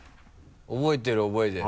覚えてる覚えてる。